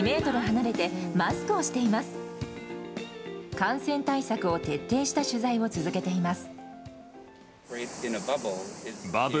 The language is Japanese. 感染対策を徹底した取材を続けています。